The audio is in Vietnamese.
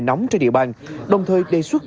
nóng trên địa bàn đồng thời đề xuất